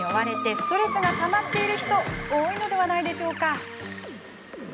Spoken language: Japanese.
ストレスがたまっている人多いのではないでしょうか？